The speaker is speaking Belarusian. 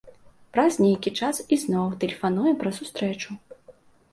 Праз нейкі час ізноў тэлефануе пра сустрэчу.